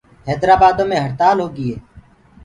هيدرآبآدو مي هڙتآل هوگي۔